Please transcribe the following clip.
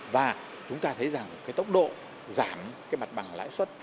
và chúng ta thấy rằng cái tốc độ giảm cái mặt bằng lãi suất